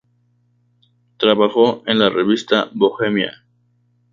Trabajó en la revista "Bohemia".